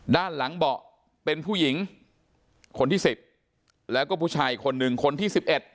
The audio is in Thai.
ด้านหลังเบาะเป็นผู้หญิงคนที่๑๐แล้วก็ผู้ชายคนหนึ่งคนที่๑๑